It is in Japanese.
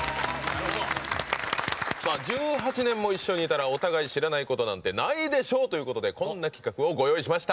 １８年も一緒にいたらお互い知らないことなんてないでしょうということでこんな企画をご用意しました。